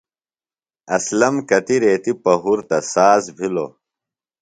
اسلم کتیۡ ریتی پہُرتہ ساز بِھلوۡ۔